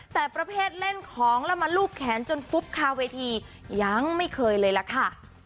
แต่ประเภทเล่นของแล้วมาลูบแขนจนฟุบคาเวทียังไม่เคยเลยล่ะค่ะ